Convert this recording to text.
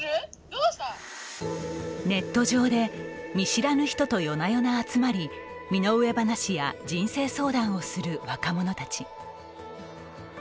ネット上で見知らぬ人と夜な夜な集まり、身の上話や人生相談をする若者たち。